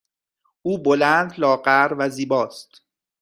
او بلند، لاغر و زیبا است.